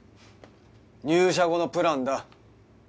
入社後のプランだ。